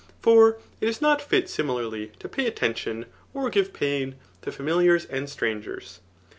For it is not fit similarly to pay atten* tion» or give pain, tofamilnurs and strangers.